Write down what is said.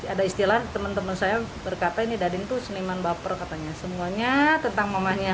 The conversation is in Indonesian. ada istilah teman teman saya berkata ini dadin tuh seniman baper katanya semuanya tentang mamanya